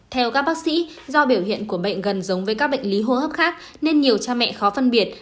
theo các bác sĩ do biểu hiện của bệnh gần giống với các bệnh lý hô hấp khác nên nhiều cha mẹ khó phân biệt